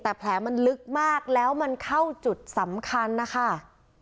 แต่แผลมันลึกมากแล้วมันเข้าจุดสำคัญนะคะ